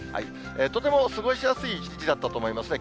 とても過ごしやすい一日だったと思いますね。